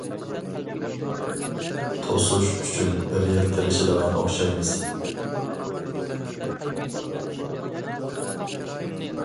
توسۇش ئۈچۈن بىر يىل تىرىشىدىغان ئوخشايمىز.